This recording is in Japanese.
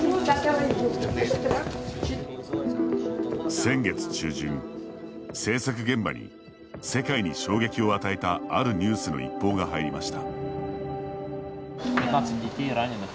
先月中旬、制作現場に世界に衝撃を与えたあるニュースの一報が入りました。